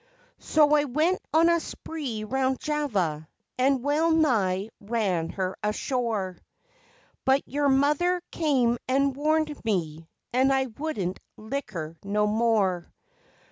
So I went on a spree round Java and well nigh ran her ashore, But your mother came and warned me and I wouldn't liquor no more.